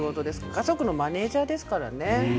家族のマネージャーですからね。